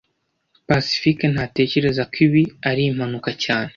Pacifique ntatekereza ko ibi ari impanuka cyane